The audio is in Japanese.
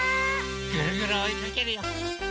ぐるぐるおいかけるよ！